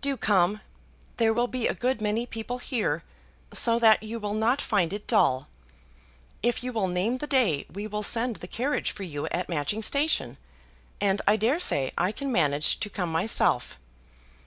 Do come! There will be a good many people here, so that you will not find it dull. If you will name the day we will send the carriage for you at Matching Station, and I dare say I can manage to come myself.